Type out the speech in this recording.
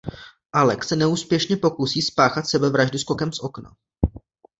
Alex se neúspěšně pokusí spáchat sebevraždu skokem z okna.